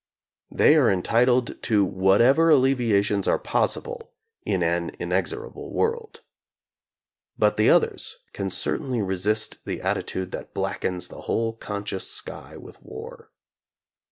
They are entitled to whatever allevi ations are possible in an inexorable world. But the others can certainly resist the attitude that blackens the whole conscious sky with war.